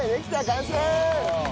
完成！